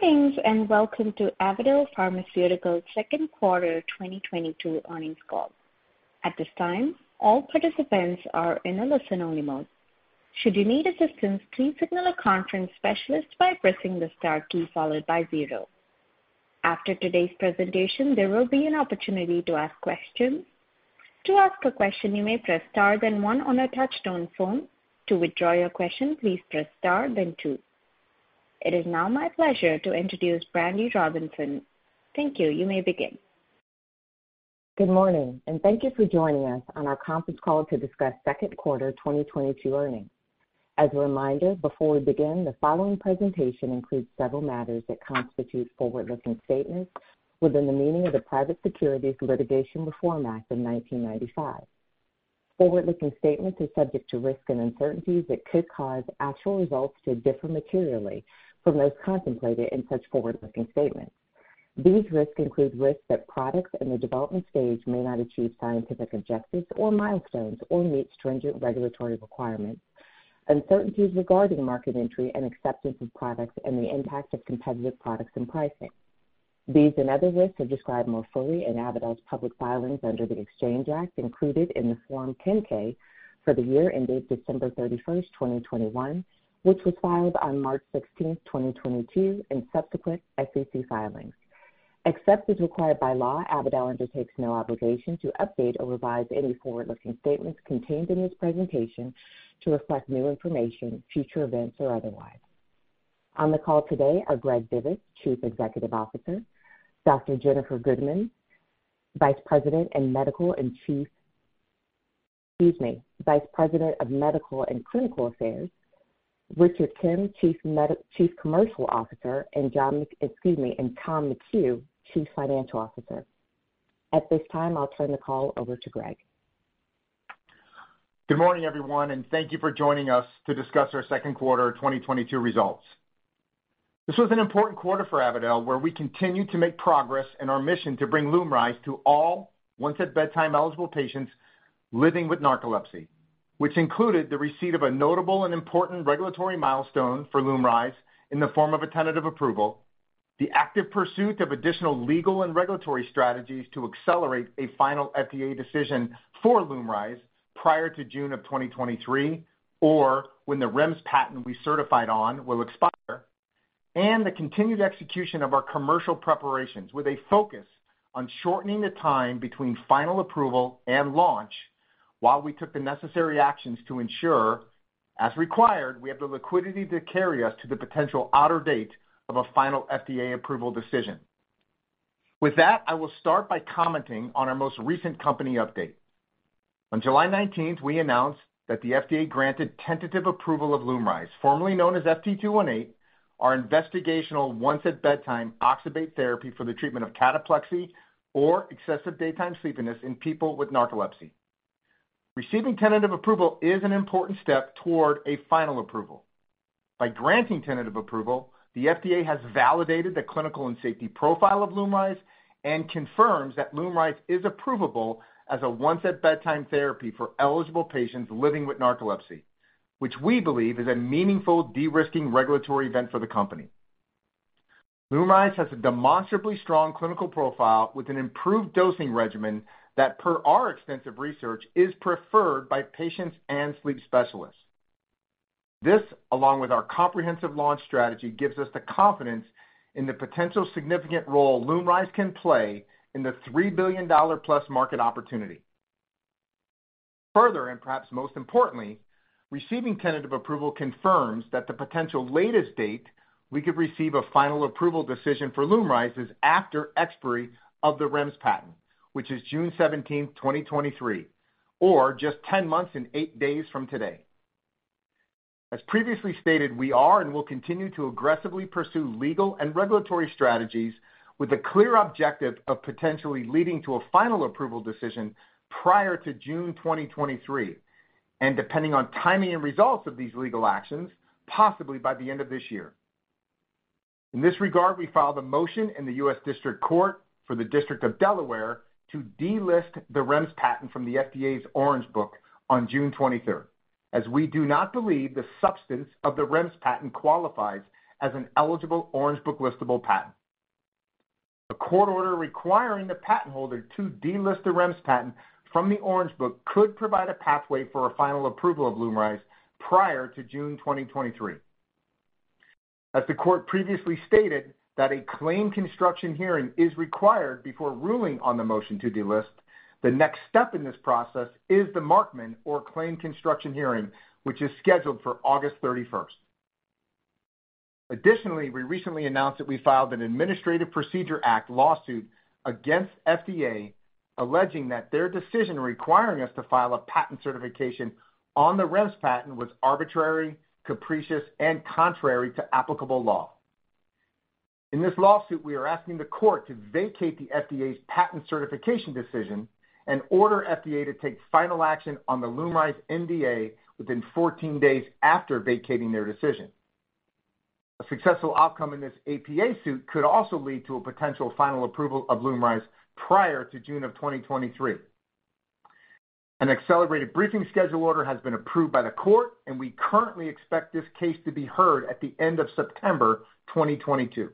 Greetings, and welcome to Avadel Pharmaceuticals' second quarter 2022 earnings call. At this time, all participants are in a listen-only mode. Should you need assistance, please signal a conference specialist by pressing the star key followed by zero. After today's presentation, there will be an opportunity to ask questions. To ask a question, you may press star then one on a touch-tone phone. To withdraw your question, please press star then two. It is now my pleasure to introduce Brandi Robinson. Thank you. You may begin. Good morning and thank you for joining us on our conference call to discuss second quarter 2022 earnings. As a reminder, before we begin, the following presentation includes several matters that constitute forward-looking statements within the meaning of the Private Securities Litigation Reform Act of 1995. Forward-looking statements are subject to risks and uncertainties that could cause actual results to differ materially from those contemplated in such forward-looking statements. These risks include risks that products in the development stage may not achieve scientific objectives or milestones or meet stringent regulatory requirements, uncertainties regarding market entry and acceptance of products, and the impact of competitive products and pricing. These and other risks are described more fully in Avadel's public filings under the Exchange Act included in the Form 10-K for the year ended December 31st, 2021, which was filed on March 16, 2022, and subsequent SEC filings. Except as required by law, Avadel undertakes no obligation to update or revise any forward-looking statements contained in this presentation to reflect new information, future events or otherwise. On the call today are Greg Divis, Chief Executive Officer, Dr. Jennifer Gudeman, Vice President of Medical and Clinical Affairs, Richard Kim, Chief Commercial Officer, and Tom McHugh, Chief Financial Officer. At this time, I'll turn the call over to Greg. Good morning, everyone, and thank you for joining us to discuss our second quarter 2022 results. This was an important quarter for Avadel, where we continued to make progress in our mission to bring LUMRYZ to all once-at-bedtime eligible patients living with narcolepsy, which included the receipt of a notable and important regulatory milestone for LUMRYZ in the form of a tentative approval, the active pursuit of additional legal and regulatory strategies to accelerate a final FDA decision for LUMRYZ prior to June of 2023, or when the REMS patent we certified on will expire, and the continued execution of our commercial preparations with a focus on shortening the time between final approval and launch while we took the necessary actions to ensure, as required, we have the liquidity to carry us to the potential outer date of a final FDA approval decision. With that, I will start by commenting on our most recent company update. On July 19th, we announced that the FDA granted tentative approval of LUMRYZ, formerly known as FT218, our investigational once-at-bedtime oxybate therapy for the treatment of cataplexy or excessive daytime sleepiness in people with narcolepsy. Receiving tentative approval is an important step toward a final approval. By granting tentative approval, the FDA has validated the clinical and safety profile of LUMRYZ and confirms that LUMRYZ is approvable as a once-at-bedtime therapy for eligible patients living with narcolepsy, which we believe is a meaningful de-risking regulatory event for the company. LUMRYZ has a demonstrably strong clinical profile with an improved dosing regimen that, per our extensive research, is preferred by patients and sleep specialists. This, along with our comprehensive launch strategy, gives us the confidence in the potential significant role LUMRYZ can play in the $3+ billion market opportunity. Further, and perhaps most importantly, receiving tentative approval confirms that the potential latest date we could receive a final approval decision for LUMRYZ is after expiry of the REMS patent, which is June 17th, 2023, or just 10 months and eight days from today. As previously stated, we are and will continue to aggressively pursue legal and regulatory strategies with a clear objective of potentially leading to a final approval decision prior to June 2023 and depending on timing and results of these legal actions, possibly by the end of this year. In this regard, we filed a motion in the U.S. District Court for the District of Delaware to delist the REMS patent from the FDA's Orange Book on June 23rd, as we do not believe the substance of the REMS patent qualifies as an eligible Orange Book listable patent. A court order requiring the patent holder to delist the REMS patent from the Orange Book could provide a pathway for a final approval of LUMRYZ prior to June 2023. As the court previously stated that a claim construction hearing is required before ruling on the motion to delist, the next step in this process is the Markman or claim construction hearing, which is scheduled for August 31st. Additionally, we recently announced that we filed an Administrative Procedure Act lawsuit against FDA alleging that their decision requiring us to file a patent certification on the REMS patent was arbitrary, capricious, and contrary to applicable law. In this lawsuit, we are asking the court to vacate the FDA's patent certification decision and order FDA to take final action on the LUMRYZ NDA within 14 days after vacating their decision. A successful outcome in this APA suit could also lead to a potential final approval of LUMRYZ prior to June of 2023. An accelerated briefing schedule order has been approved by the court, and we currently expect this case to be heard at the end of September 2022.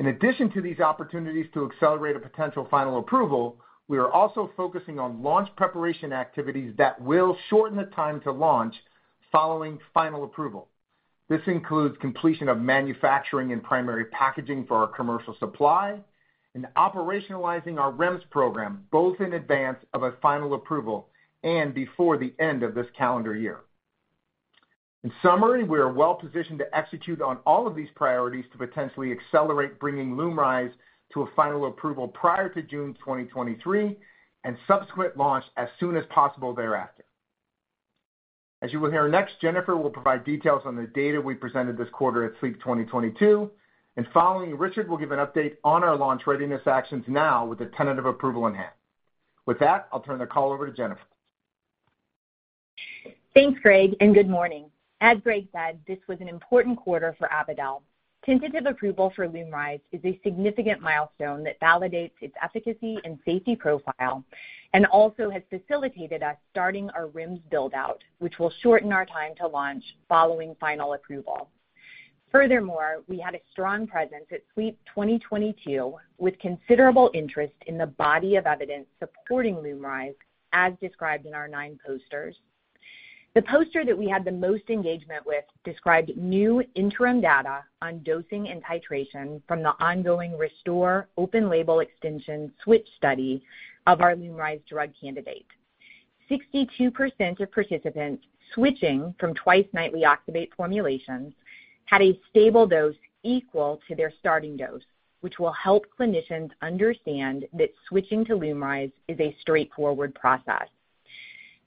In addition to these opportunities to accelerate a potential final approval, we are also focusing on launch preparation activities that will shorten the time to launch following final approval. This includes completion of manufacturing and primary packaging for our commercial supply and operationalizing our REMS program, both in advance of a final approval and before the end of this calendar year. In summary, we are well positioned to execute on all of these priorities to potentially accelerate bringing LUMRYZ to a final approval prior to June 2023 and subsequent launch as soon as possible thereafter. As you will hear next, Jennifer will provide details on the data we presented this quarter at SLEEP 2022 and following. Richard will give an update on our launch readiness actions now with the tentative approval in hand. With that, I'll turn the call over to Jennifer. Thanks, Greg, and good morning. As Greg said, this was an important quarter for Avadel. Tentative approval for LUMRYZ is a significant milestone that validates its efficacy and safety profile and also has facilitated us starting our REMS build-out, which will shorten our time to launch following final approval. Furthermore, we had a strong presence at SLEEP 2022 with considerable interest in the body of evidence supporting LUMRYZ, as described in our nine posters. The poster that we had the most engagement with described new interim data on dosing and titration from the ongoing RESTORE open-label extension/switch study of our LUMRYZ drug candidate. 62% of participants switching from twice-nightly oxybate formulations had a stable dose equal to their starting dose, which will help clinicians understand that switching to LUMRYZ is a straightforward process.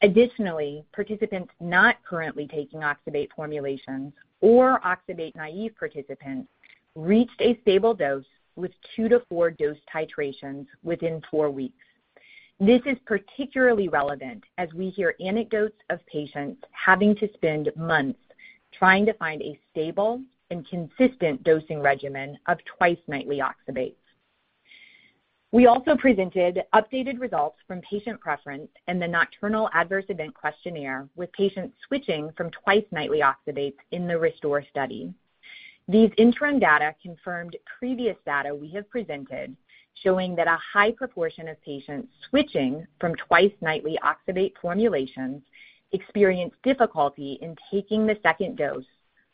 Additionally, participants not currently taking oxybate formulations or oxybate naive participants reached a stable dose with two to four dose titrations within four weeks. This is particularly relevant as we hear anecdotes of patients having to spend months trying to find a stable and consistent dosing regimen of twice-nightly oxybates. We also presented updated results from patient preference and the nocturnal adverse event questionnaire with patients switching from twice-nightly oxybates in the RESTORE study. These interim data confirmed previous data we have presented showing that a high proportion of patients switching from twice-nightly oxybate formulations experience difficulty in taking the second dose,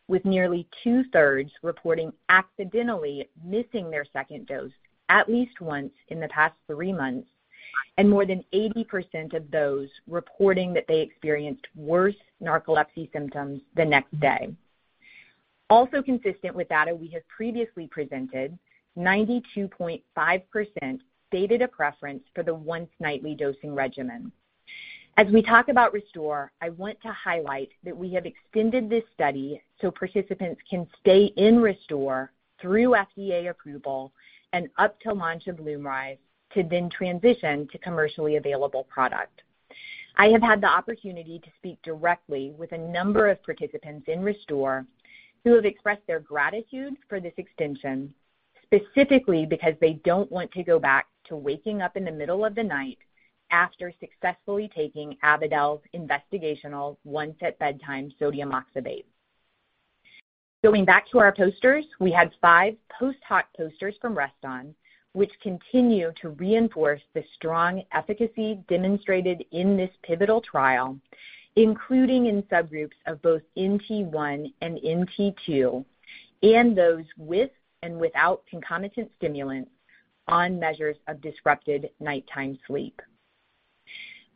with nearly 2/3 reporting accidentally missing their second dose at least once in the past three months, and more than 80% of those reporting that they experienced worse narcolepsy symptoms the next day. Also consistent with data we have previously presented, 92.5% stated a preference for the once-nightly dosing regimen. As we talk about RESTORE, I want to highlight that we have extended this study so participants can stay in RESTORE through FDA approval and up till launch of LUMRYZ to then transition to commercially available product. I have had the opportunity to speak directly with a number of participants in RESTORE who have expressed their gratitude for this extension, specifically because they don't want to go back to waking up in the middle of the night after successfully taking Avadel's investigational once-at-bedtime sodium oxybate. Going back to our posters, we had five post hoc posters from REST-ON, which continue to reinforce the strong efficacy demonstrated in this pivotal trial, including in subgroups of both NT1 and NT2, and those with and without concomitant stimulants on measures of disrupted nighttime sleep.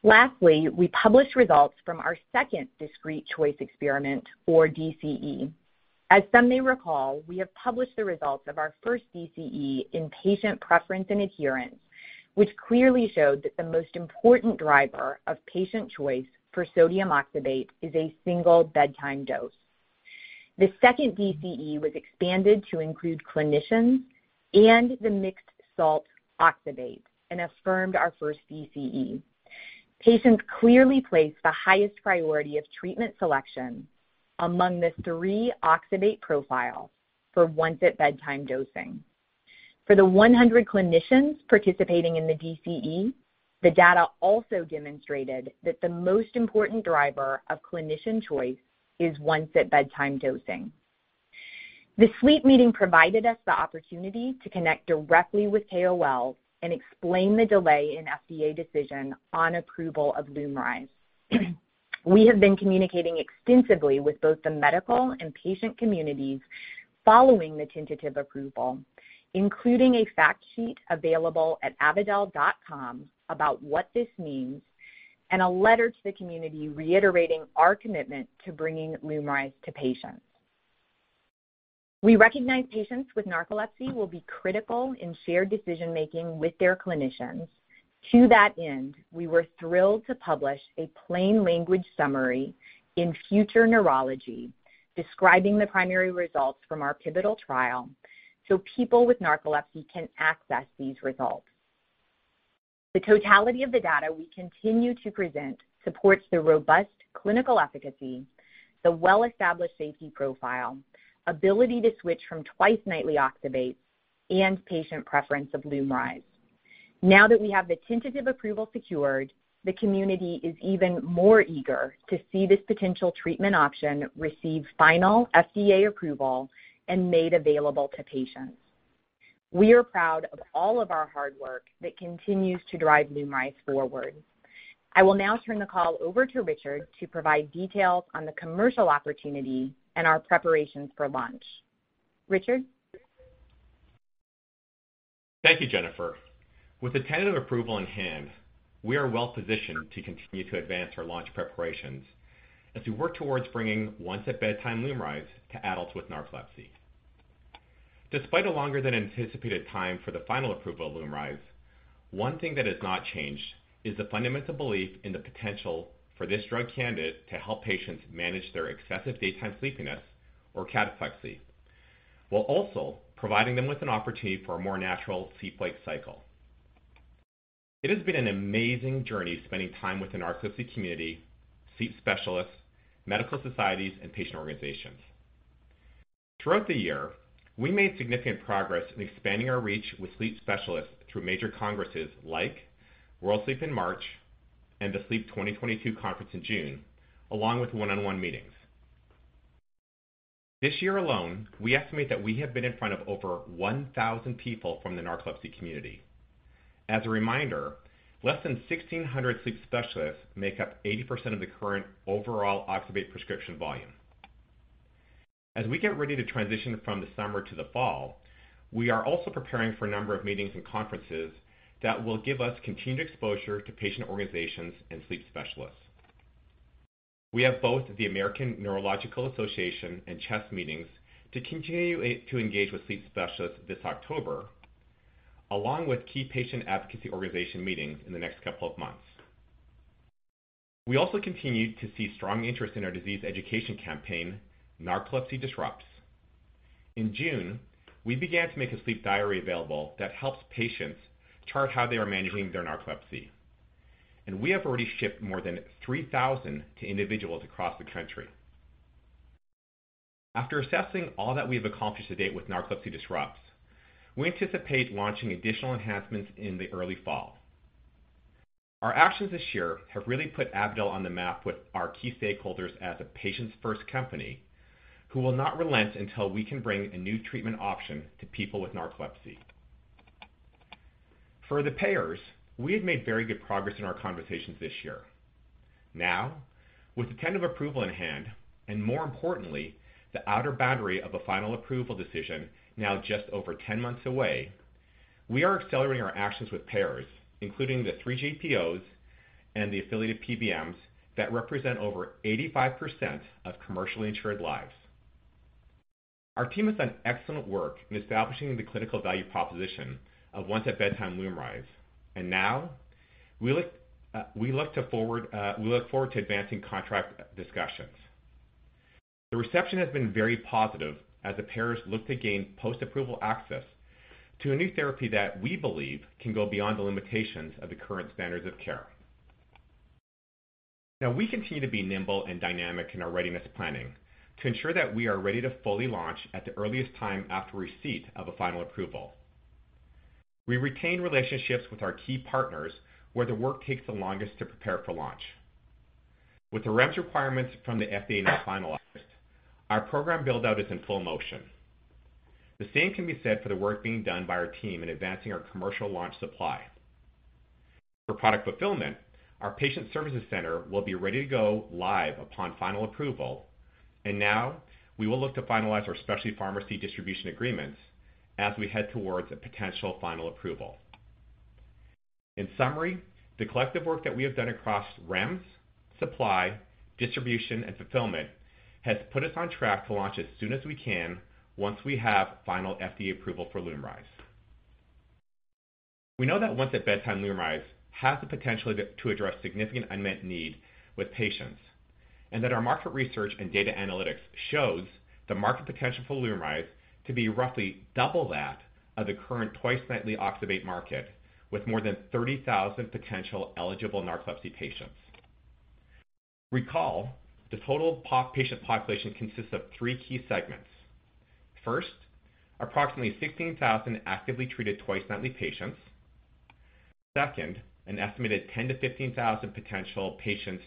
Lastly, we published results from our second Discrete Choice Experiment, or DCE. As some may recall, we have published the results of our first DCE in patient preference and adherence, which clearly showed that the most important driver of patient choice for sodium oxybate is a single bedtime dose. The second DCE was expanded to include clinicians and the mixed salt oxybate and affirmed our first DCE. Patients clearly placed the highest priority of treatment selection among the three oxybate profiles for once-at-bedtime dosing. For the 100 clinicians participating in the DCE, the data also demonstrated that the most important driver of clinician choice is once-at-bedtime dosing. The sleep meeting provided us the opportunity to connect directly with KOLs and explain the delay in FDA decision on approval of LUMRYZ. We have been communicating extensively with both the medical and patient communities following the tentative approval, including a fact sheet available at avadel.com about what this means, and a letter to the community reiterating our commitment to bringing LUMRYZ to patients. We recognize patients with narcolepsy will be critical in shared decision-making with their clinicians. To that end, we were thrilled to publish a plain language summary in Future Neurology describing the primary results from our pivotal trial so people with narcolepsy can access these results. The totality of the data we continue to present supports the robust clinical efficacy, the well-established safety profile, ability to switch from twice-nightly oxybates, and patient preference of LUMRYZ. Now that we have the tentative approval secured, the community is even more eager to see this potential treatment option receive final FDA approval and made available to patients. We are proud of all of our hard work that continues to drive LUMRYZ forward. I will now turn the call over to Richard to provide details on the commercial opportunity and our preparations for launch. Richard? Thank you, Jennifer. With the tentative approval in hand, we are well positioned to continue to advance our launch preparations as we work towards bringing once-at-bedtime LUMRYZ to adults with narcolepsy. Despite a longer than anticipated time for the final approval of LUMRYZ, one thing that has not changed is the fundamental belief in the potential for this drug candidate to help patients manage their excessive daytime sleepiness or cataplexy, while also providing them with an opportunity for a more natural sleep-wake cycle. It has been an amazing journey spending time with the narcolepsy community, sleep specialists, medical societies, and patient organizations. Throughout the year, we made significant progress in expanding our reach with sleep specialists through major congresses like World Sleep in March and the SLEEP 2022 conference in June, along with one-on-one meetings. This year alone, we estimate that we have been in front of over 1,000 people from the narcolepsy community. As a reminder, less than 1,600 sleep specialists make up 80% of the current overall oxybate prescription volume. As we get ready to transition from the summer to the fall, we are also preparing for a number of meetings and conferences that will give us continued exposure to patient organizations and sleep specialists. We have both the American Neurological Association and CHEST meetings to continue to engage with sleep specialists this October, along with key patient advocacy organization meetings in the next couple of months. We also continue to see strong interest in our disease education campaign, Narcolepsy Disrupts. In June, we began to make a sleep diary available that helps patients chart how they are managing their narcolepsy, and we have already shipped more than 3,000 to individuals across the country. After assessing all that we have accomplished to date with Narcolepsy Disrupts, we anticipate launching additional enhancements in the early fall. Our actions this year have really put Avadel on the map with our key stakeholders as a patients first company who will not relent until we can bring a new treatment option to people with narcolepsy. For the payers, we have made very good progress in our conversations this year. Now, with the tentative approval in hand and more importantly, the outer boundary of a final approval decision now just over 10 months away, we are accelerating our actions with payers, including the three GPOs and the affiliated PBMs that represent over 85% of commercially insured lives. Our team has done excellent work in establishing the clinical value proposition of once-at-bedtime LUMRYZ, and now we look forward to advancing contract discussions. The reception has been very positive as the payers look to gain post-approval access to a new therapy that we believe can go beyond the limitations of the current standards of care. Now, we continue to be nimble and dynamic in our readiness planning to ensure that we are ready to fully launch at the earliest time after receipt of a final approval. We retain relationships with our key partners where the work takes the longest to prepare for launch. With the REMS requirements from the FDA now finalized, our program build out is in full motion. The same can be said for the work being done by our team in advancing our commercial launch supply. For product fulfillment, our patient services center will be ready to go live upon final approval. Now we will look to finalize our specialty pharmacy distribution agreements as we head towards a potential final approval. In summary, the collective work that we have done across REMS, supply, distribution, and fulfillment has put us on track to launch as soon as we can once we have final FDA approval for LUMRYZ. We know that once-at-bedtime LUMRYZ has the potential to address significant unmet need with patients, and that our market research and data analytics shows the market potential for LUMRYZ to be roughly double that of the current twice-nightly oxybate market, with more than 30,000 potential eligible narcolepsy patients. Recall, the total patient population consists of three key segments. First, approximately 16,000 actively treated twice-nightly patients. Second, an estimated 10,000-15,000 potential patients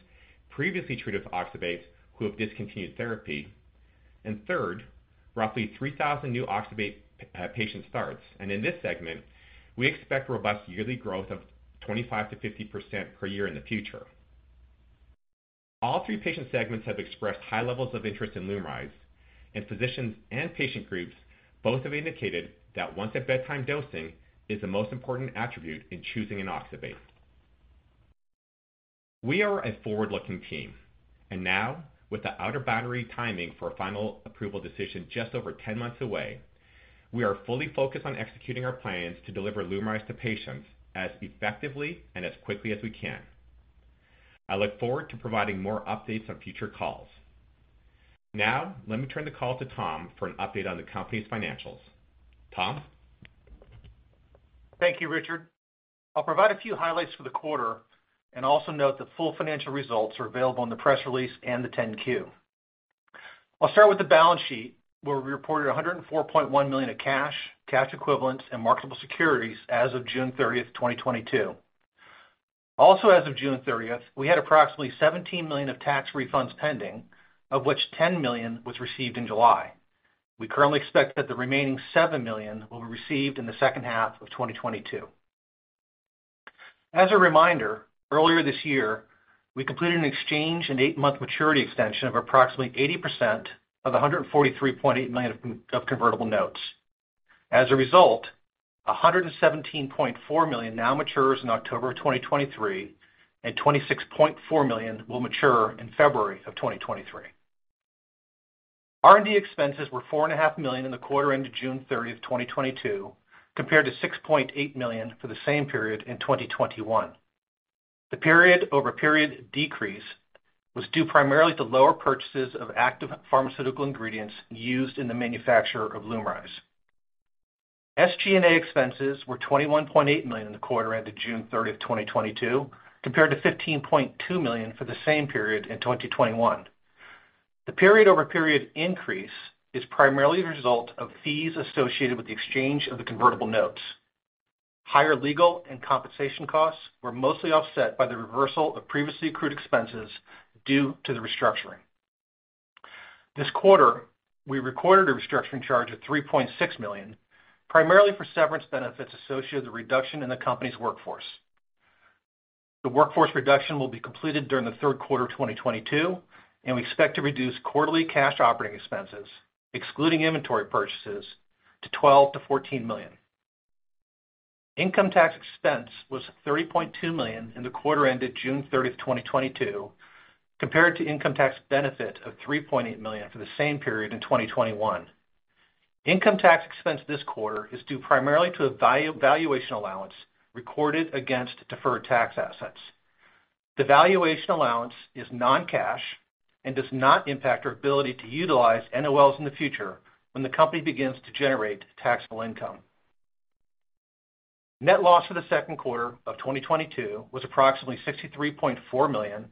previously treated with oxybate who have discontinued therapy. Third, roughly 3,000 new oxybate patient starts. In this segment, we expect robust yearly growth of 25%-50% per year in the future. All three patient segments have expressed high levels of interest in LUMRYZ, and physicians and patient groups both have indicated that once-at-bedtime dosing is the most important attribute in choosing an oxybate. We are a forward-looking team, and now with the outer boundary timing for a final approval decision just over 10 months away, we are fully focused on executing our plans to deliver LUMRYZ to patients as effectively and as quickly as we can. I look forward to providing more updates on future calls. Now let me turn the call to Tom for an update on the company's financials. Tom? Thank you, Richard. I'll provide a few highlights for the quarter and also note that full financial results are available in the press release and the 10-Q. I'll start with the balance sheet, where we reported $104.1 million of cash equivalents, and marketable securities as of June 30th, 2022. Also as of June 30th, we had approximately $17 million of tax refunds pending, of which $10 million was received in July. We currently expect that the remaining $7 million will be received in the second half of 2022. As a reminder, earlier this year, we completed an exchange and eight-month maturity extension of approximately 80% of the $143.8 million of convertible notes. As a result, $117.4 million now matures in October 2023, and $26.4 million will mature in February 2023. R&D expenses were $4.5 million in the quarter ended June 30th, 2022, compared to $6.8 million for the same period in 2021. The period-over-period decrease was due primarily to lower purchases of active pharmaceutical ingredients used in the manufacture of LUMRYZ. SG&A expenses were $21.8 million in the quarter ended June 30th, 2022, compared to $15.2 million for the same period in 2021. The period-over-period increase is primarily the result of fees associated with the exchange of the convertible notes. Higher legal and compensation costs were mostly offset by the reversal of previously accrued expenses due to the restructuring. This quarter, we recorded a restructuring charge of $3.6 million, primarily for severance benefits associated with the reduction in the company's workforce. The workforce reduction will be completed during the third quarter of 2022, and we expect to reduce quarterly cash operating expenses, excluding inventory purchases, to $12 million-$14 million. Income tax expense was $30.2 million in the quarter ended June 30, 2022, compared to income tax benefit of $3.8 million for the same period in 2021. Income tax expense this quarter is due primarily to a valuation allowance recorded against deferred tax assets. The valuation allowance is non-cash and does not impact our ability to utilize NOLs in the future when the company begins to generate taxable income. Net loss for the second quarter of 2022 was approximately $63.4 million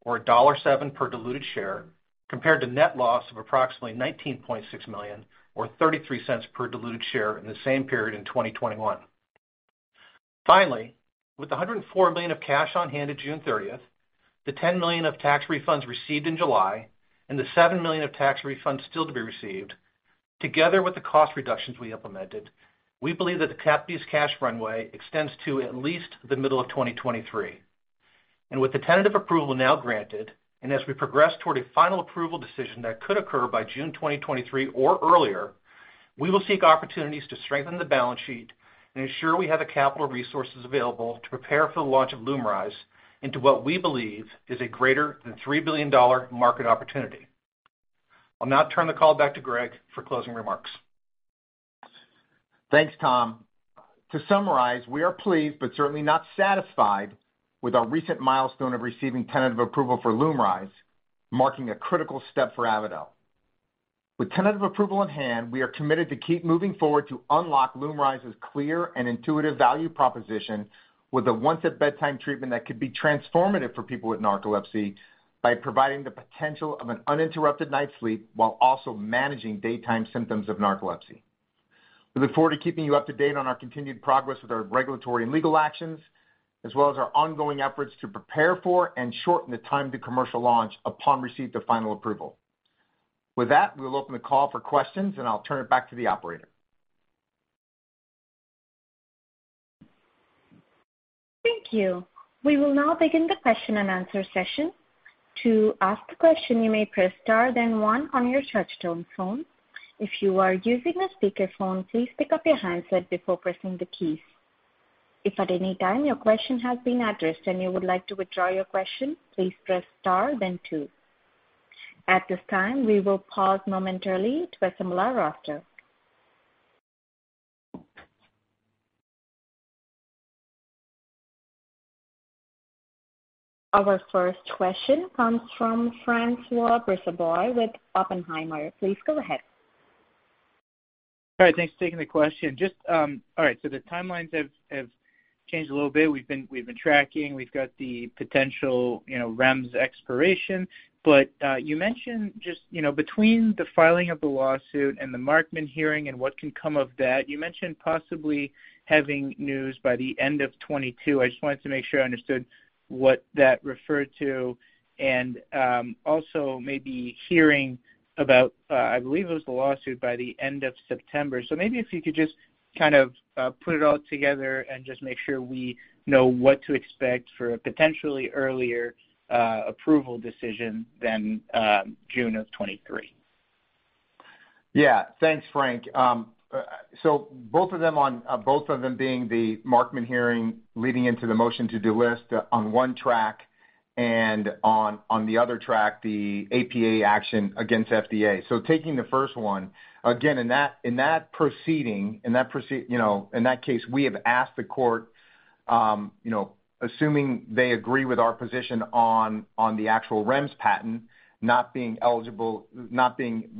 or $1.07 per diluted share, compared to net loss of approximately $19.6 million or $0.33 per diluted share in the same period in 2021. Finally, with the $104 million of cash on hand at June 30th, the $10 million of tax refunds received in July, and the $7 million of tax refunds still to be received, together with the cost reductions we implemented, we believe that the company's cash runway extends to at least the middle of 2023. With the tentative approval now granted and as we progress toward a final approval decision that could occur by June 2023 or earlier, we will seek opportunities to strengthen the balance sheet and ensure we have the capital resources available to prepare for the launch of LUMRYZ into what we believe is a greater than $3 billion market opportunity. I'll now turn the call back to Greg for closing remarks. Thanks, Tom. To summarize, we are pleased but certainly not satisfied with our recent milestone of receiving tentative approval for LUMRYZ, marking a critical step for Avadel. With tentative approval in hand, we are committed to keep moving forward to unlock LUMRYZ's clear and intuitive value proposition with a once-at-bedtime treatment that could be transformative for people with narcolepsy by providing the potential of an uninterrupted night's sleep while also managing daytime symptoms of narcolepsy. We look forward to keeping you up to date on our continued progress with our regulatory and legal actions, as well as our ongoing efforts to prepare for and shorten the time to commercial launch upon receipt of final approval. With that, we will open the call for questions, and I'll turn it back to the operator. Thank you. We will now begin the question-and-answer session. To ask a question, you may press star then one on your touchtone phone. If you are using a speakerphone, please pick up your handset before pressing the keys. If at any time your question has been addressed and you would like to withdraw your question, please press star then two. At this time, we will pause momentarily to assemble our roster. Our first question comes from François Brisebois with Oppenheimer. Please go ahead. All right, thanks for taking the question. All right, the timelines have changed a little bit. We've been tracking. We've got the potential, you know, REMS expiration. You mentioned just, you know, between the filing of the lawsuit and the Markman hearing and what can come of that, you mentioned possibly having news by the end of 2022. I just wanted to make sure I understood what that referred to and also maybe hearing about, I believe it was the lawsuit by the end of September. Maybe if you could just kind of put it all together and just make sure we know what to expect for a potentially earlier approval decision than June of 2023. Yeah. Thanks, Franç. Both of them being the Markman hearing leading into the motion to delist on one track and on the other track, the APA action against FDA. Taking the first one, again, in that proceeding, you know, in that case, we have asked the court, you know, assuming they agree with our position on the actual REMS patent not being eligible, you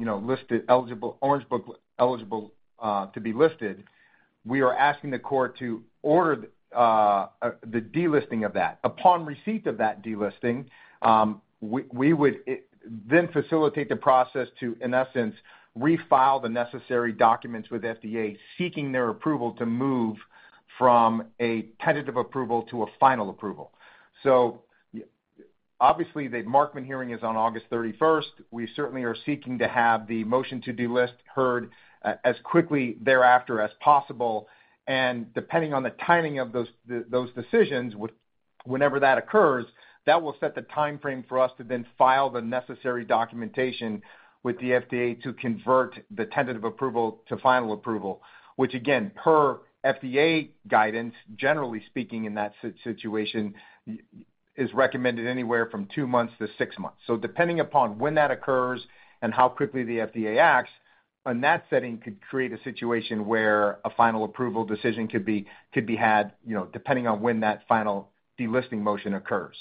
know, listed eligible, Orange Book eligible, to be listed, we are asking the court to order the delisting of that. Upon receipt of that delisting, we would then facilitate the process to, in essence, refile the necessary documents with FDA, seeking their approval to move from a tentative approval to a final approval. Obviously, the Markman hearing is on August 31st. We certainly are seeking to have the motion to delist heard as quickly thereafter as possible. Depending on the timing of those decisions, whenever that occurs, that will set the timeframe for us to then file the necessary documentation with the FDA to convert the tentative approval to final approval, which again, per FDA guidance, generally speaking in that situation, is recommended anywhere from two months to six months. Depending upon when that occurs and how quickly the FDA acts on that setting could create a situation where a final approval decision could be had, you know, depending on when that final delisting motion occurs.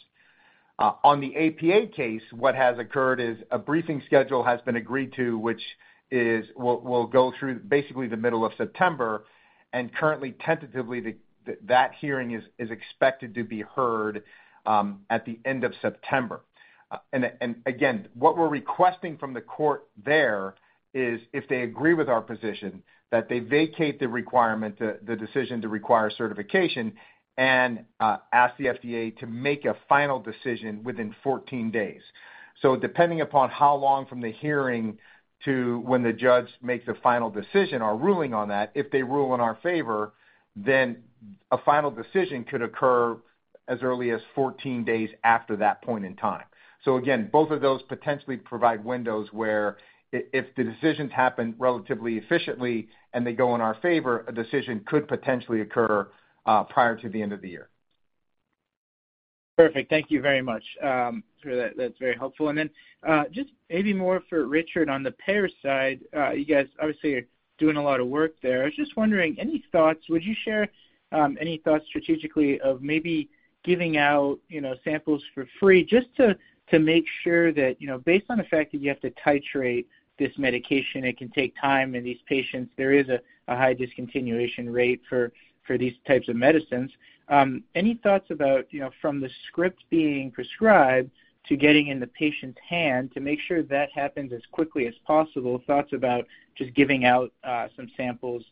On the APA case, what has occurred is a briefing schedule has been agreed to, which will go through basically the middle of September, and currently tentatively the hearing is expected to be heard at the end of September. Again, what we're requesting from the court there is if they agree with our position, that they vacate the requirement, the decision to require certification and ask the FDA to make a final decision within 14 days. Depending upon how long from the hearing to when the judge makes a final decision or ruling on that, if they rule in our favor, then a final decision could occur as early as 14 days after that point in time. Again, both of those potentially provide windows where if the decisions happen relatively efficiently and they go in our favor, a decision could potentially occur prior to the end of the year. Perfect. Thank you very much. Sure, that's very helpful. Then, just maybe more for Richard on the payer side, you guys obviously are doing a lot of work there. I was just wondering, any thoughts strategically of maybe giving out, you know, samples for free just to make sure that, you know, based on the fact that you have to titrate this medication, it can take time in these patients. There is a high discontinuation rate for these types of medicines. Any thoughts about, you know, from the script being prescribed to getting in the patient's hand to make sure that happens as quickly as possible, thoughts about just giving out some samples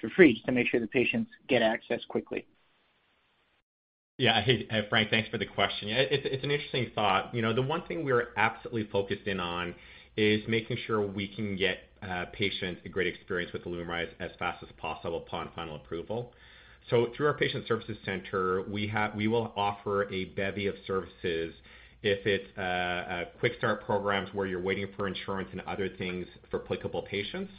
for free just to make sure the patients get access quickly? Yeah. Hey, Frank, thanks for the question. Yeah, it's an interesting thought. You know, the one thing we're absolutely focused in on is making sure we can get patients a great experience with LUMRYZ as fast as possible upon final approval. Through our patient services center, we will offer a bevy of services if it's a quick start programs where you're waiting for insurance and other things for applicable patients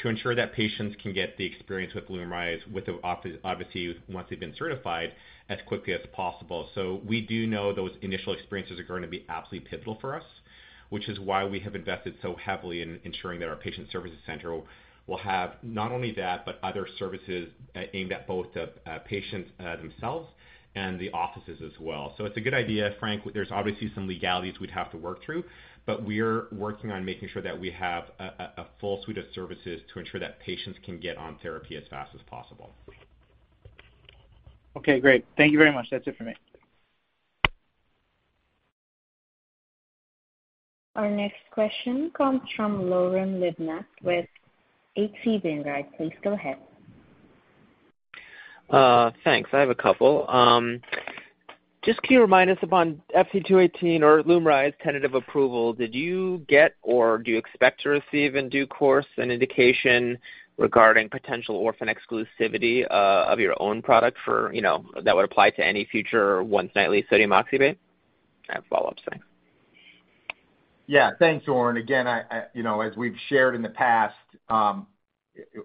to ensure that patients can get the experience with LUMRYZ with the office, obviously, once they've been certified, as quickly as possible. We do know those initial experiences are going to be absolutely pivotal for us, which is why we have invested so heavily in ensuring that our patient services center will have not only that, but other services, aimed at both the patients themselves and the offices as well. It's a good idea, Franç. There's obviously some legalities we'd have to work through, but we're working on making sure that we have a full suite of services to ensure that patients can get on therapy as fast as possible. Okay, great. Thank you very much. That's it for me. Our next question comes from Oren Livnat with H.C. Wainwright. Please go ahead. Thanks. I have a couple. Just can you remind us, upon FT218 or LUMRYZ tentative approval, did you get or do you expect to receive in due course an indication regarding potential orphan exclusivity of your own product for, you know, that would apply to any future once-nightly sodium oxybate? I have follow-ups. Thanks. Yeah. Thanks, Oren. Again, you know, as we've shared in the past,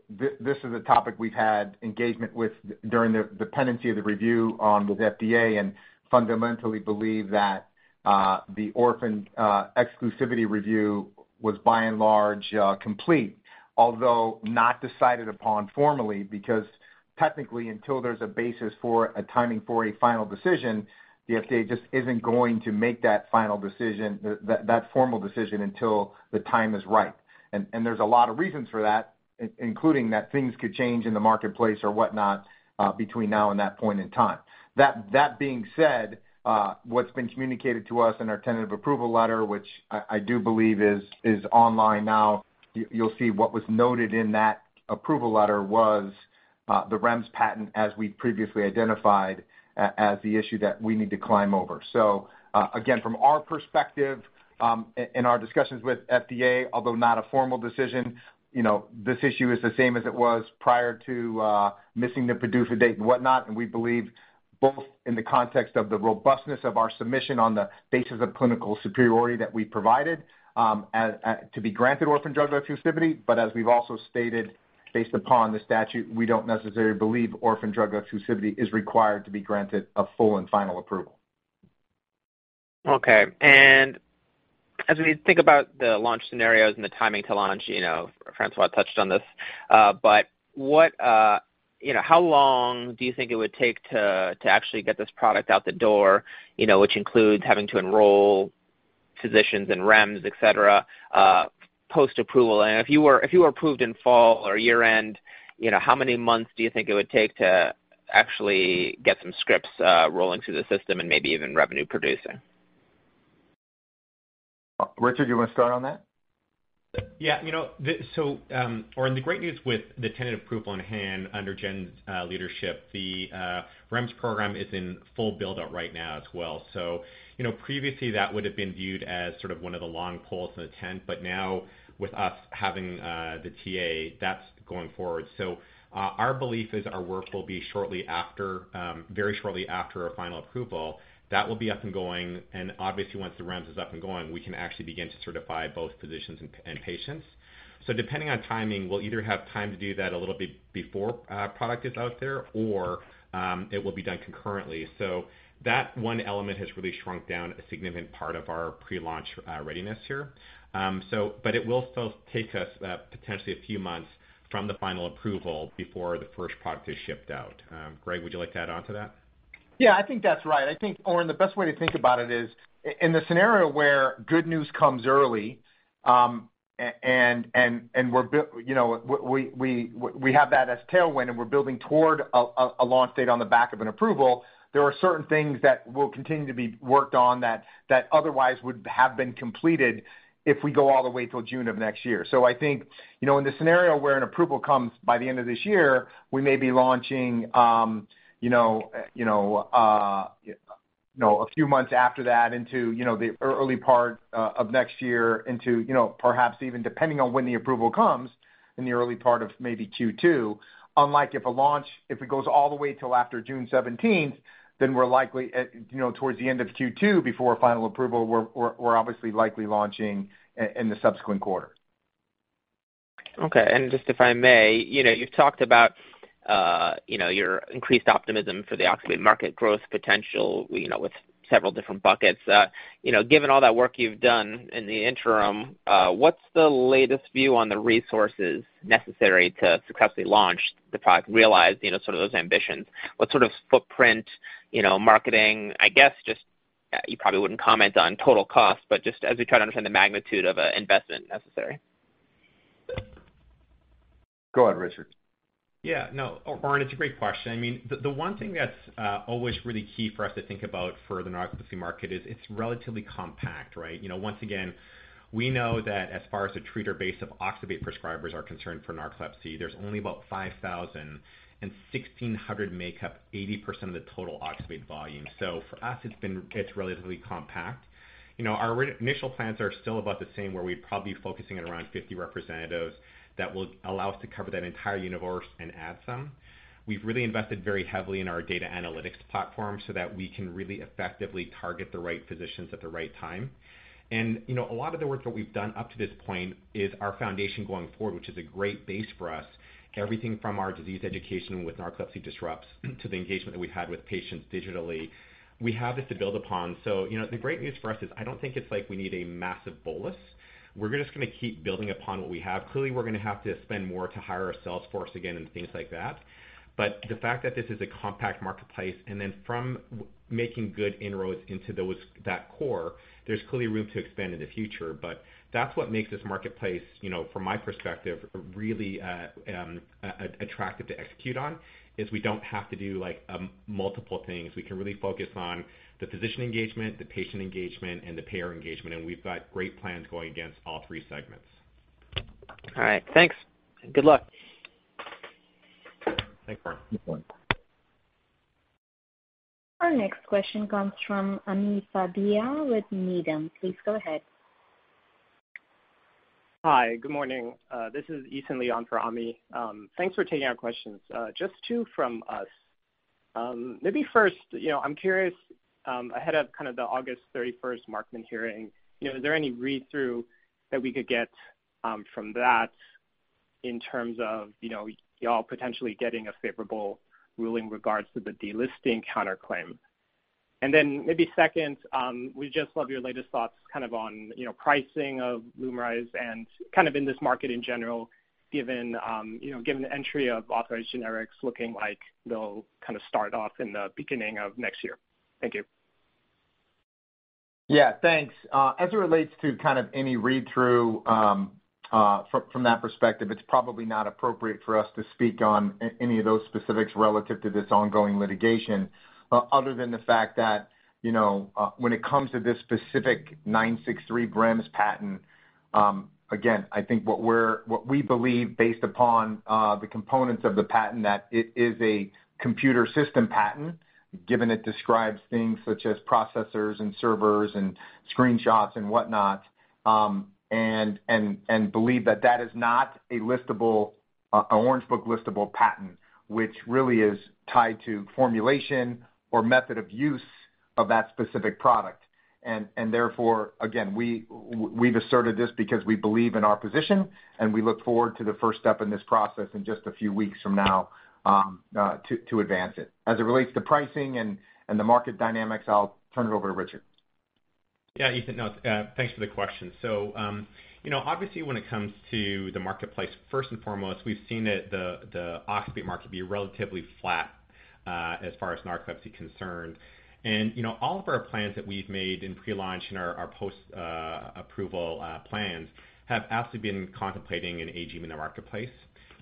this is a topic we've had engagement with during the pendency of the review, with FDA, and fundamentally believe that the orphan exclusivity review was by and large complete, although not decided upon formally, because technically, until there's a basis for a timing for a final decision, the FDA just isn't going to make that final decision, that formal decision until the time is right. There's a lot of reasons for that, including that things could change in the marketplace or whatnot, between now and that point in time. That being said, what's been communicated to us in our tentative approval letter, which I do believe is online now, you'll see what was noted in that approval letter was the REMS patent as we previously identified as the issue that we need to climb over. Again, from our perspective, in our discussions with FDA, although not a formal decision, you know, this issue is the same as it was prior to missing the PDUFA date and whatnot, and we believe both in the context of the robustness of our submission on the basis of clinical superiority that we provided to be granted Orphan Drug Exclusivity. As we've also stated, based upon the statute, we don't necessarily believe Orphan Drug Exclusivity is required to be granted a full and final approval. Okay. As we think about the launch scenarios and the timing to launch, you know, François touched on this, but what you know, how long do you think it would take to actually get this product out the door, you know, which includes having to enroll physicians and REMS, et cetera, post-approval? If you were approved in fall or year-end, you know, how many months do you think it would take to actually get some scripts rolling through the system and maybe even revenue producing? Richard, you wanna start on that? Yeah. You know, Oren, the great news with the tentative approval on hand under Jen's leadership, the REMS program is in full build-out right now as well. You know, previously, that would have been viewed as sort of one of the long poles in the tent, but now with us having the TA, that's going forward. Our belief is our work will be shortly after, very shortly after our final approval. That will be up and going, and obviously, once the REMS is up and going, we can actually begin to certify both physicians and patients. Depending on timing, we'll either have time to do that a little bit before our product is out there or it will be done concurrently. That one element has really shrunk down a significant part of our pre-launch readiness here. It will still take us potentially a few months from the final approval before the first product is shipped out. Greg, would you like to add on to that? Yeah, I think that's right. I think, Oren, the best way to think about it is in the scenario where good news comes early, and we're building toward a launch date on the back of an approval, there are certain things that will continue to be worked on that otherwise would have been completed if we go all the way till June of next year. I think, you know, in the scenario where an approval comes by the end of this year, we may be launching, you know, a few months after that into the early part of next year into, you know, perhaps even depending on when the approval comes in the early part of maybe Q2. Unlike if a launch, if it goes all the way till after June 17th, then we're likely, you know, towards the end of Q2 before final approval, we're obviously likely launching in the subsequent quarter. Okay. Just if I may, you know, you've talked about your increased optimism for the oxybate market growth potential, you know, with several different buckets. Given all that work you've done in the interim, what's the latest view on the resources necessary to successfully launch the product, realize, you know, sort of those ambitions? What sort of footprint, you know, marketing, I guess, just you probably wouldn't comment on total cost, but just as we try to understand the magnitude of investment necessary. Go on, Richard. Yeah. No. Oren, it's a great question. I mean, the one thing that's always really key for us to think about for the narcolepsy market is it's relatively compact, right? You know, once again, we know that as far as the treater base of oxybate prescribers are concerned for narcolepsy, there's only about 5,000, and 1,600 make up 80% of the total oxybate volume. So for us, it's relatively compact. You know, our initial plans are still about the same, where we'd probably be focusing at around 50 representatives that will allow us to cover that entire universe and add some. We've really invested very heavily in our data analytics platform so that we can really effectively target the right physicians at the right time. You know, a lot of the work that we've done up to this point is our foundation going forward, which is a great base for us. Everything from our disease education with Narcolepsy Disrupts to the engagement that we've had with patients digitally, we have this to build upon. You know, the great news for us is I don't think it's like we need a massive bolus. We're just gonna keep building upon what we have. Clearly, we're gonna have to spend more to hire our sales force again and things like that. The fact that this is a compact marketplace, and then from making good inroads into those, that core, there's clearly room to expand in the future. That's what makes this marketplace, you know, from my perspective, really, attractive to execute on, is we don't have to do, like, multiple things. We can really focus on the physician engagement, the patient engagement, and the payer engagement, and we've got great plans going against all three segments. All right. Thanks. Good luck. Thanks, Oren. Thanks, Oren. Our next question comes from Ami Fadia with Needham. Please go ahead. Hi. Good morning. This is Ethanly on for Ami. Thanks for taking our questions. Just two from us. Maybe first, you know, I'm curious, ahead of kind of the August 31st Markman hearing, you know, is there any read-through that we could get from that in terms of, you know, y'all potentially getting a favorable ruling regards to the delisting counterclaim? Then maybe second, we'd just love your latest thoughts kind of on, you know, pricing of LUMRYZ and kind of in this market in general, given, you know, given the entry of authorized generics looking like they'll kind of start off in the beginning of next year. Thank you. Yeah, thanks. As it relates to kind of any read-through from that perspective, it's probably not appropriate for us to speak on any of those specifics relative to this ongoing litigation, other than the fact that, you know, when it comes to this specific 963 REMS patent, again, I think what we believe based upon the components of the patent that it is a computer system patent, given it describes things such as processors and servers and screenshots and whatnot, and believe that that is not an Orange Book listable patent, which really is tied to formulation or method of use of that specific product. Therefore, again, we've asserted this because we believe in our position, and we look forward to the first step in this process in just a few weeks from now, to advance it. As it relates to pricing and the market dynamics, I'll turn it over to Richard. Yeah, Ethan, thanks for the question. You know, obviously when it comes to the marketplace, first and foremost, we've seen the oxybate market be relatively flat as far as narcolepsy concerned. You know, all of our plans that we've made in pre-launch and our post-approval plans have absolutely been contemplating an AG in the marketplace.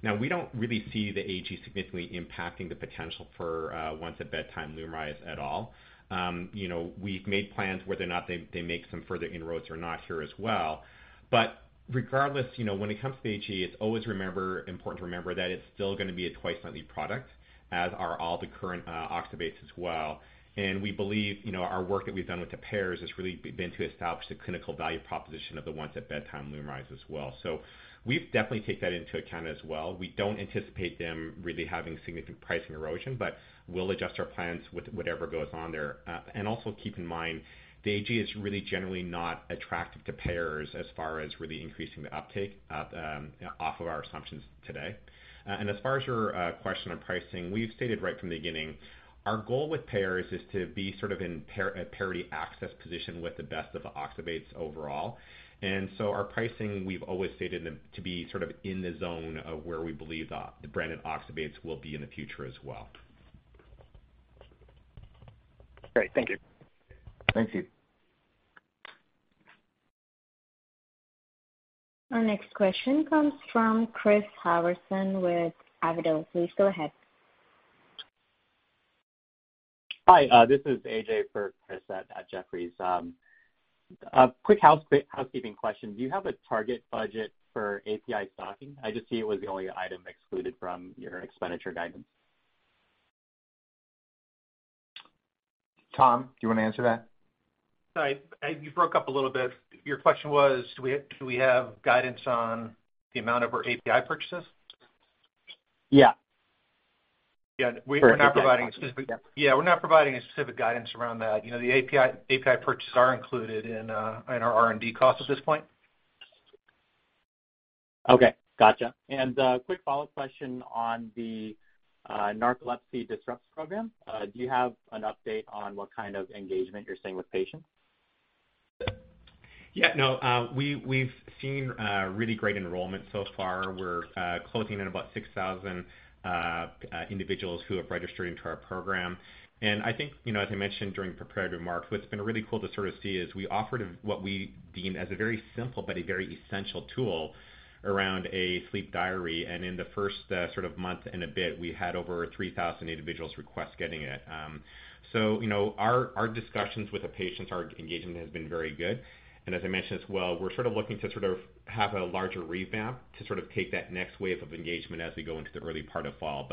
Now, we don't really see the AG significantly impacting the potential for once-at-bedtime LUMRYZ at all. You know, we've made plans whether or not they make some further inroads or not here as well. Regardless, you know, when it comes to AG, it's always important to remember that it's still gonna be a twice-nightly product, as are all the current oxybates as well. We believe, you know, our work that we've done with the payers has really been to establish the clinical value proposition of the once-at-bedtime LUMRYZ as well. We've definitely take that into account as well. We don't anticipate them really having significant pricing erosion, but we'll adjust our plans with whatever goes on there. We also keep in mind, the AG is really generally not attractive to payers as far as really increasing the uptake off of our assumptions today. As far as your question on pricing, we've stated right from the beginning, our goal with payers is to be sort of in a parity access position with the best of the oxybates overall. Our pricing, we've always stated them to be sort of in the zone of where we believe the branded oxybates will be in the future as well. Great. Thank you. Thank you. Our next question comes from Chris Howerton with Jefferies. Please go ahead. Hi, this is AJ for Chris at Jefferies. A quick housekeeping question. Do you have a target budget for API stocking? I just see it was the only item excluded from your expenditure guidance. Tom, do you wanna answer that? Sorry, you broke up a little bit. Your question was, do we have guidance on the amount of our API purchases? Yeah. Yeah. We're not providing a specific— For API purchases, yep. Yeah, we're not providing a specific guidance around that. You know, the API purchases are included in our R&D costs at this point. Okay. Gotcha. Quick follow-up question on the Narcolepsy Disrupts program. Do you have an update on what kind of engagement you're seeing with patients? Yeah. No. We've seen really great enrollment so far. We're closing in on about 6,000 individuals who have registered into our program. I think, you know, as I mentioned during prepared remarks, what's been really cool to sort of see is we offered what we deemed as a very simple but a very essential tool around a sleep diary. In the first sort of month and a bit, we had over 3,000 individuals request getting it. So, you know, our discussions with the patients, our engagement has been very good. I mentioned as well, we're sort of looking to sort of have a larger revamp to sort of take that next wave of engagement as we go into the early part of fall.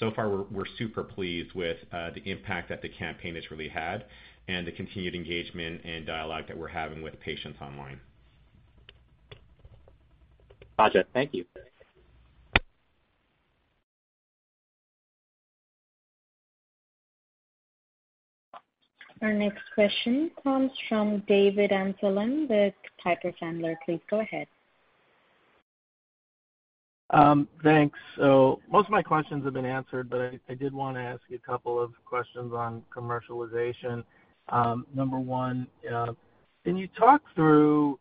So far, we're super pleased with the impact that the campaign has really had and the continued engagement and dialogue that we're having with patients online. Gotcha. Thank you. Our next question comes from David Amsellem with Piper Sandler. Please go ahead. Thanks. Most of my questions have been answered, but I did wanna ask you a couple of questions on commercialization. Number one, can you talk through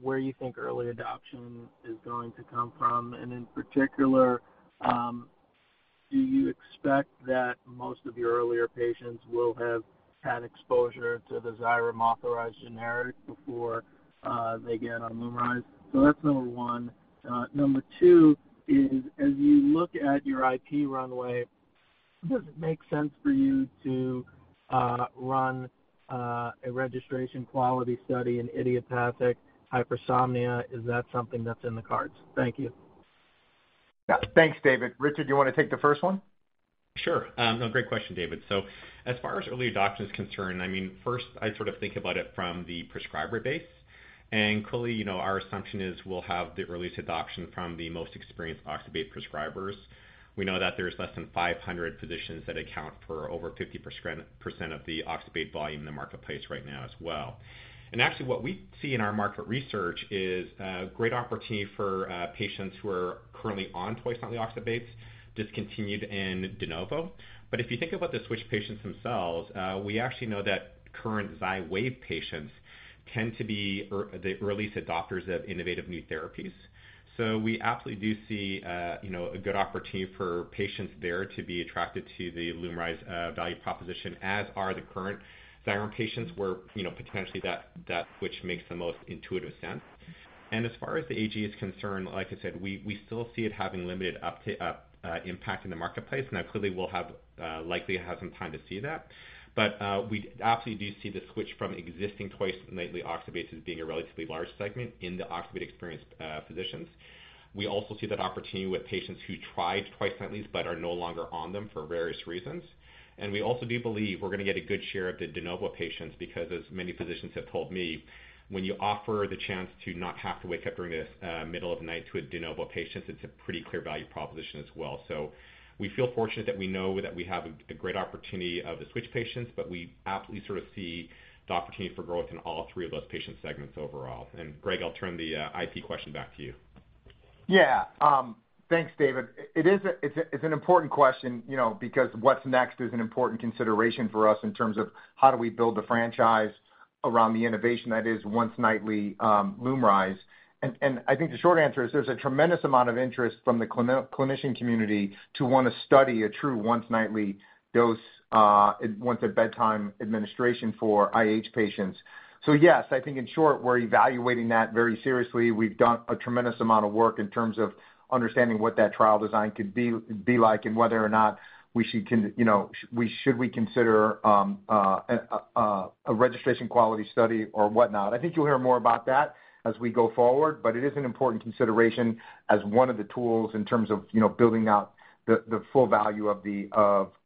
where you think early adoption is going to come from? And in particular, do you expect that most of your earlier patients will have had exposure to the XYREM authorized generic before they get on LUMRYZ? That's number one. Number two is, as you look at your IP runway, does it make sense for you to run a registration quality study in idiopathic hypersomnia? Is that something that's in the cards? Thank you. Yeah. Thanks, David. Richard, you wanna take the first one? Sure. No, great question, David. So as far as early adoption is concerned, I mean, first I sort of think about it from the prescriber base. Clearly, you know, our assumption is we'll have the earliest adoption from the most experienced oxybate prescribers. We know that there's less than 500 physicians that account for over 50% of the oxybate volume in the marketplace right now as well. Actually, what we see in our market research is a great opportunity for patients who are currently on twice-nightly oxybates, discontinued and de novo. But if you think about the switch patients themselves, we actually know that current XYWAV patients tend to be the early adopters of innovative new therapies. We absolutely do see, you know, a good opportunity for patients there to be attracted to the LUMRYZ value proposition, as are the current XYREM patients, where, you know, potentially that switch makes the most intuitive sense. As far as the AG is concerned, like I said, we still see it having limited uptake impact in the marketplace. Now, clearly, we'll likely have some time to see that. We absolutely do see the switch from existing twice-nightly oxybates as being a relatively large segment in the oxybate-experienced physicians. We also see that opportunity with patients who tried twice-nightlies but are no longer on them for various reasons. We also do believe we're gonna get a good share of the de novo patients because as many physicians have told me, when you offer the chance to not have to wake up during the middle of the night to a de novo patient, it's a pretty clear value proposition as well. We feel fortunate that we know that we have a great opportunity of the switch patients, but we absolutely sort of see the opportunity for growth in all three of those patient segments overall. Greg, I'll turn the IP question back to you. Yeah. Thanks, David. It's an important question, you know, because what's next is an important consideration for us in terms of how do we build the franchise around the innovation that is once-nightly LUMRYZ. I think the short answer is there's a tremendous amount of interest from the clinician community to wanna study a true once-nightly dose, once-at-bedtime administration for IH patients. Yes, I think in short, we're evaluating that very seriously. We've done a tremendous amount of work in terms of understanding what that trial design could be like and whether or not we should you know, should we consider a registration quality study or whatnot. I think you'll hear more about that as we go forward, but it is an important consideration as one of the tools in terms of, you know, building out the full value of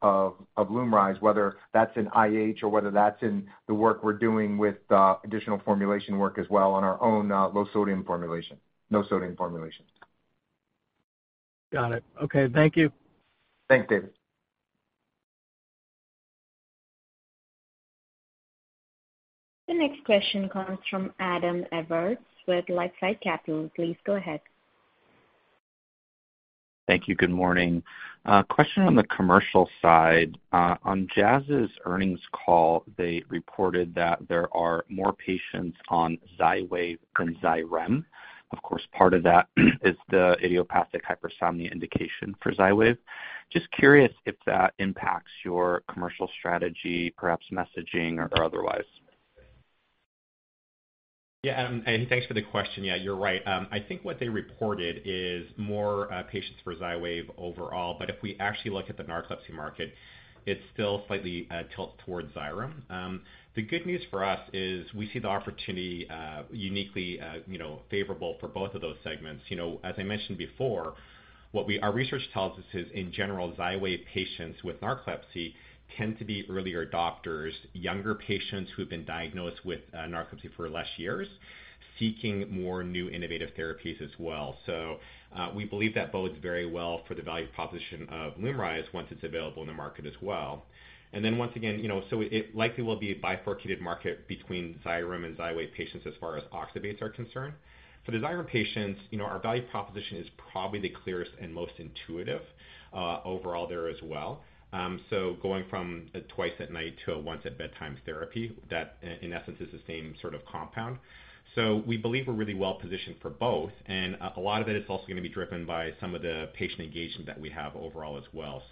LUMRYZ, whether that's in IH or whether that's in the work we're doing with additional formulation work as well on our own low-sodium formulation, no-sodium formulations. Got it. Okay. Thank you. Thanks, David. The next question comes from Adam Evertts with LifeSci Capital. Please go ahead. Thank you. Good morning. A question on the commercial side. On Jazz's earnings call, they reported that there are more patients on XYWAV than XYREM. Of course, part of that is the idiopathic hypersomnia indication for XYWAV. Just curious if that impacts your commercial strategy, perhaps messaging or otherwise? Yeah, Adam, and thanks for the question. Yeah, you're right. I think what they reported is more patients for XYWAV overall, but if we actually look at the narcolepsy market, it still slightly tilts towards XYREM. The good news for us is we see the opportunity uniquely, you know, favorable for both of those segments. You know, as I mentioned before, our research tells us is, in general, XYWAV patients with narcolepsy tend to be earlier adopters, younger patients who've been diagnosed with narcolepsy for less years, seeking more new innovative therapies as well. We believe that bodes very well for the value proposition of LUMRYZ once it's available in the market as well. Once again, you know, it likely will be a bifurcated market between XYREM and XYWAV patients as far as oxybates are concerned. For the XYREM patients, you know, our value proposition is probably the clearest and most intuitive overall there as well. Going from a twice-at-night to a once-at-bedtime therapy, that in essence is the same sort of compound. We believe we're really well positioned for both. A lot of it is also gonna be driven by some of the patient engagement that we have overall as well.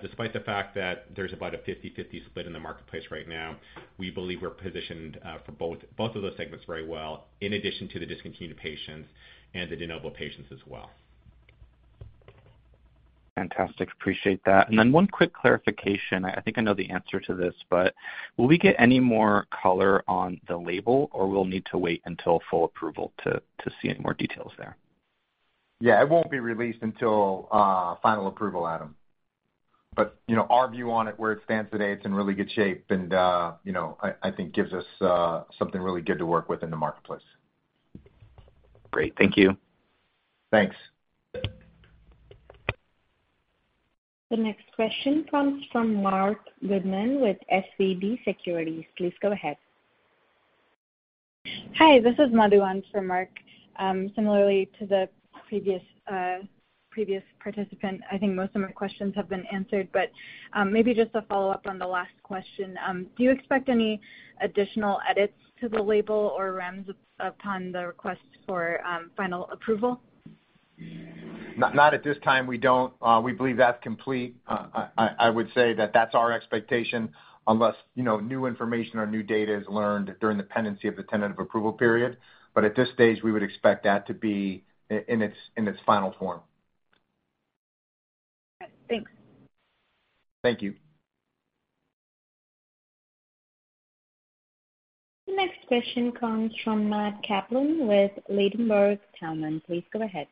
Despite the fact that there's about a 50/50 split in the marketplace right now, we believe we're positioned for both of those segments very well, in addition to the discontinued patients and the de novo patients as well. Fantastic. Appreciate that. One quick clarification. I think I know the answer to this, but will we get any more color on the label, or we'll need to wait until full approval to see any more details there? Yeah, it won't be released until final approval, Adam. You know, our view on it, where it stands today, it's in really good shape and, you know, I think gives us something really good to work with in the marketplace. Great. Thank you. Thanks. The next question comes from Marc Goodman with SVB Securities. Please go ahead. Hi, this is Madhu on for Marc. Similarly to the previous participant, I think most of my questions have been answered, but maybe just a follow-up on the last question. Do you expect any additional edits to the label or REMS upon the request for final approval? Not at this time, we don't. We believe that's complete. I would say that that's our expectation unless, you know, new information or new data is learned during the pendency of the tentative approval period. At this stage, we would expect that to be in its final form. Thanks. Thank you. The next question comes from Matt Kaplan with Ladenburg Thalmann. Please go ahead.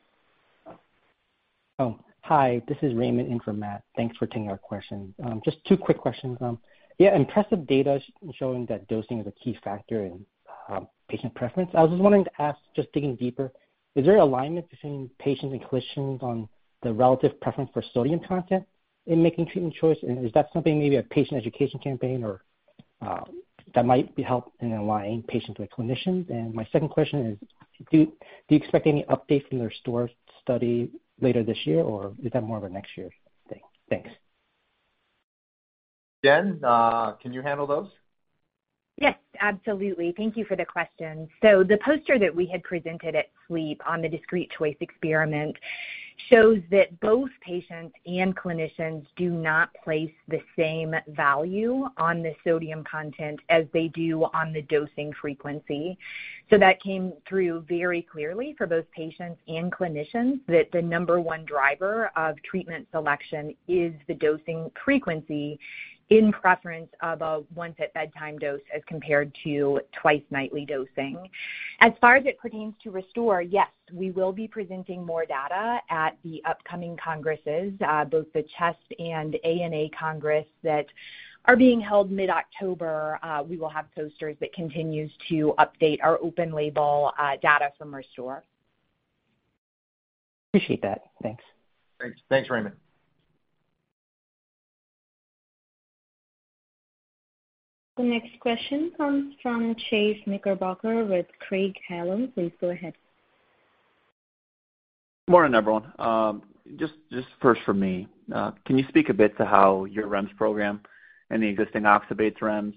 Oh, hi. This is Raymond in for Matt. Thanks for taking our question. Just two quick questions. Yeah, impressive data showing that dosing is a key factor in patient preference. I was just wondering to ask, just digging deeper, is there alignment between patients and clinicians on the relative preference for sodium content in making treatment choice? And is that something maybe a patient education campaign or that might be helped in aligning patients with clinicians? And my second question is, do you expect any updates in your RESTORE study later this year, or is that more of a next year thing? Thanks. Jen, can you handle those? Yes, absolutely. Thank you for the question. The poster that we had presented at SLEEP on the discrete choice experiment shows that both patients and clinicians do not place the same value on the sodium content as they do on the dosing frequency. That came through very clearly for both patients and clinicians, that the number one driver of treatment selection is the dosing frequency in preference of a once-at-bedtime dose as compared to twice-nightly dosing. As far as it pertains to RESTORE, yes, we will be presenting more data at the upcoming congresses, both the CHEST and ANA Congress that are being held mid-October. We will have posters that continues to update our open label, data from RESTORE. Appreciate that. Thanks. Thanks. Thanks, Raymond. The next question comes from Chase Knickerbocker with Craig-Hallum. Please go ahead. Morning, everyone. Just first from me. Can you speak a bit to how your REMS program and the existing oxybate REMS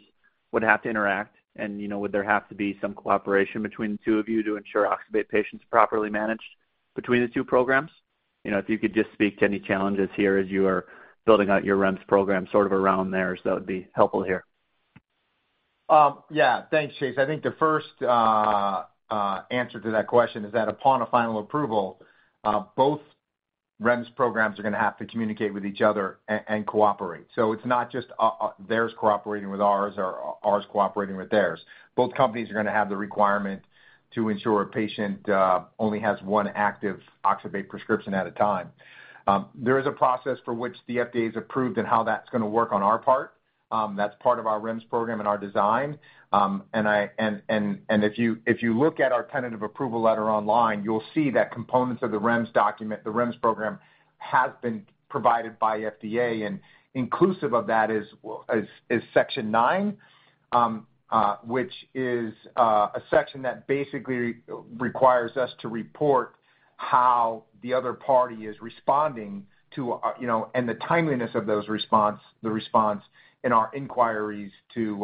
would have to interact? You know, would there have to be some cooperation between the two of you to ensure oxybate patients are properly managed between the two programs? You know, if you could just speak to any challenges here as you are building out your REMS program sort of around there, that would be helpful here. Yeah. Thanks, Chase. I think the first answer to that question is that upon a final approval, both REMS programs are gonna have to communicate with each other and cooperate. It's not just theirs cooperating with ours or ours cooperating with theirs. Both companies are gonna have the requirement to ensure a patient only has one active oxybate prescription at a time. There is a process for which the FDA has approved and how that's gonna work on our part. That's part of our REMS program and our design. If you look at our tentative approval letter online, you'll see that components of the REMS document, the REMS program, has been provided by FDA. Inclusive of that is section nine, which is a section that basically requires us to report how the other party is responding to, you know, and the timeliness of those responses in our inquiries to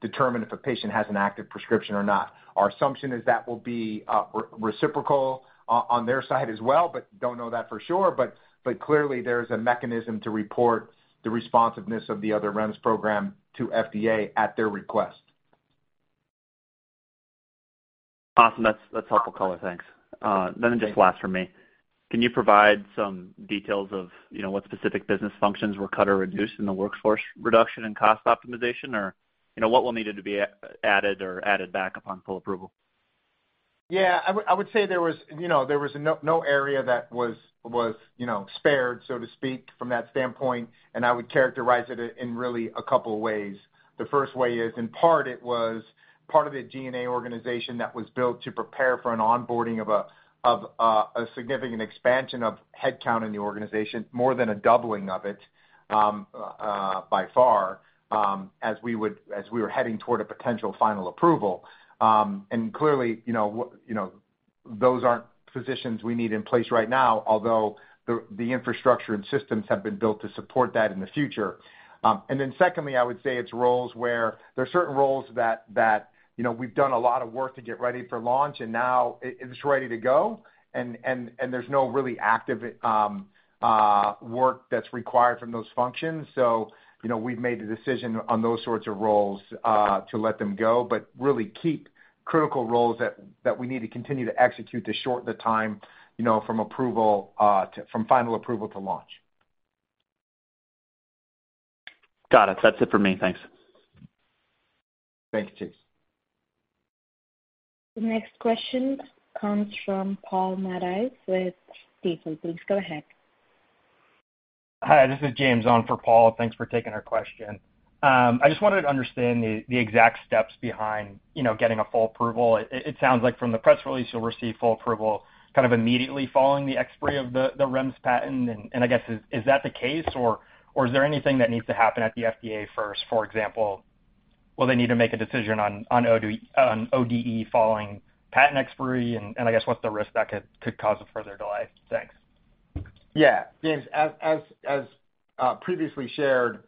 determine if a patient has an active prescription or not. Our assumption is that will be reciprocal on their side as well, but don't know that for sure. But clearly there's a mechanism to report the responsiveness of the other REMS program to FDA at their request. Awesome. That's helpful color. Thanks. Just last from me. Can you provide some details of, you know, what specific business functions were cut or reduced in the workforce reduction and cost optimization? Or, you know, what will need to be added back upon full approval? Yeah. I would say there was no area that was spared, so to speak, from that standpoint, and I would characterize it in really a couple of ways. The first way is, in part, it was part of the G&A organization that was built to prepare for an onboarding of a significant expansion of headcount in the organization, more than a doubling of it, by far, as we were heading toward a potential final approval. Clearly, you know, those aren't positions we need in place right now, although the infrastructure and systems have been built to support that in the future. Secondly, I would say it's roles where there are certain roles that you know we've done a lot of work to get ready for launch, and now it's ready to go, and there's no really active work that's required from those functions. You know, we've made the decision on those sorts of roles to let them go, but really keep critical roles that we need to continue to execute to shorten the time you know from final approval to launch. Got it. That's it for me. Thanks. Thank you, Chase. The next question comes from Paul Matteis with Stifel. Please go ahead. Hi, this is James on for Paul. Thanks for taking our question. I just wanted to understand the exact steps behind, you know, getting a full approval. It sounds like from the press release you'll receive full approval kind of immediately following the expiry of the REMS patent. I guess, is that the case, or is there anything that needs to happen at the FDA first, for example, will they need to make a decision on ODE following patent expiry? I guess what's the risk that could cause a further delay? Thanks. Yeah. James, as previously shared,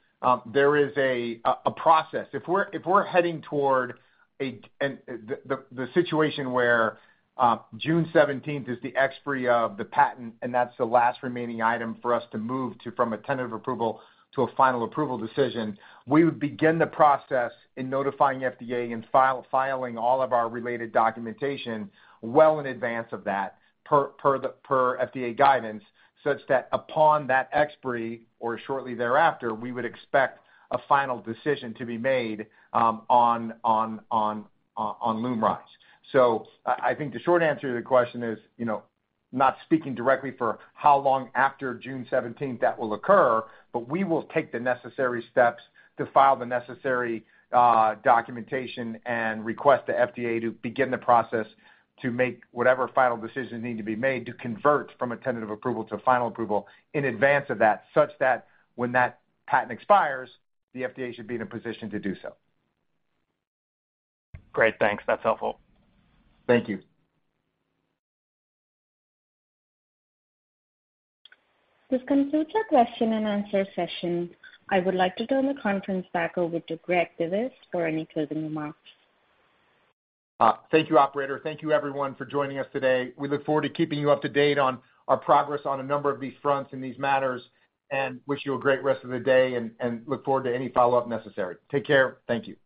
there is a process. If we're heading toward the situation where June 17th is the expiry of the patent, and that's the last remaining item for us to move to, from a tentative approval to a final approval decision, we would begin the process in notifying FDA and filing all of our related documentation well in advance of that per FDA guidance, such that upon that expiry or shortly thereafter, we would expect a final decision to be made on LUMRYZ. I think the short answer to the question is, you know, not speaking directly for how long after June 17th that will occur, but we will take the necessary steps to file the necessary documentation and request the FDA to begin the process to make whatever final decisions need to be made to convert from a tentative approval to a final approval in advance of that, such that when that patent expires, the FDA should be in a position to do so. Great, thanks. That's helpful. Thank you. This concludes our question-and-answer session. I would like to turn the conference back over to Greg Divis for any closing remarks. Thank you, operator. Thank you everyone for joining us today. We look forward to keeping you up to date on our progress on a number of these fronts in these matters and wish you a great rest of the day and look forward to any follow-up necessary. Take care. Thank you.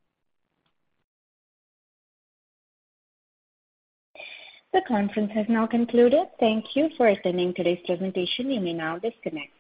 The conference has now concluded. Thank you for attending today's presentation. You may now disconnect.